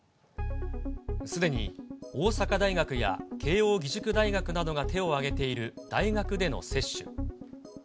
すでに大阪大学や慶応義塾大学などが手を挙げている大学での接種。